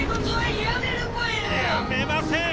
やめません！